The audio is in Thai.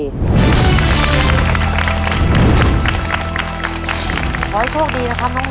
คำขวัญจังหวัดระยองก่อนออกรายการครับ